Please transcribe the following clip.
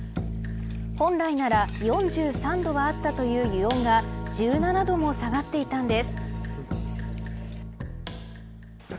本来なら４３度はあったという湯温が１７度も下がっていたのです。